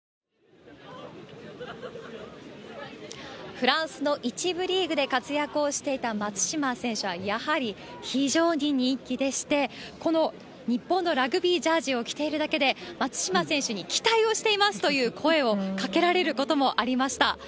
フランスの１部リーグで活躍をしていた松島選手は、やはり非常に人気でして、この日本のラグビージャージを着ているだけで、松島選手に期待をしていますという声をかけられることもありました。